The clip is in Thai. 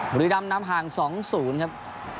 บรีรามน้ำห่างสองศูนย์ครับ